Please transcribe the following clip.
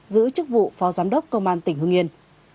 giữ chức vụ phó giám đốc công an tỉnh hương yên